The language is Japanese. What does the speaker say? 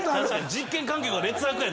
実験環境が劣悪や！